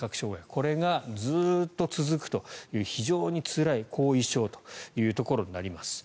これがずっと続くという非常につらい後遺症というところになります。